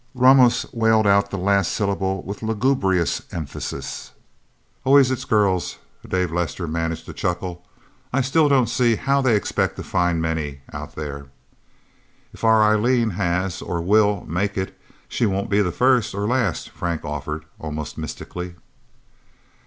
"_ Ramos wailed out the last syllable with lugubrious emphasis. "Always it's girls," Dave Lester managed to chuckle. "I still don't see how they expect to find many, Out There." "If our Eileen has or will make it, she won't be the first or last," Frank offered, almost mystically.